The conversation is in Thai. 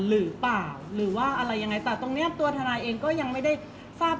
เพราะว่าสิ่งเหล่านี้มันเป็นสิ่งที่ไม่มีพยาน